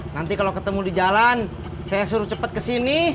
nanti kalau ketemu di jalan saya suruh cepet ke sini